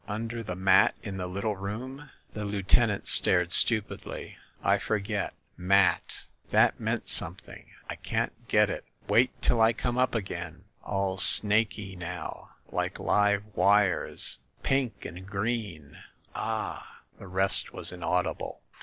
"Under the mat in the little room ?" The lieutenant stared stupidly. "I forget. Mat ‚ÄĒ 266 THE MASTER OF MYSTERIES that meant something. I can't get it. Wait till I come up again. ... All snaky now, like live wires ... pink and green. .. Ah !" The rest was inaudible.